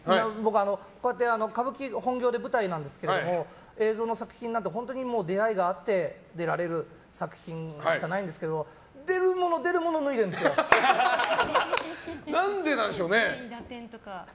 こうやって歌舞伎が本業で舞台なんですけど映像の作品になると本当に出会いがあって出られる作品しかないんですけど出るもの出るもの何ででしょうね。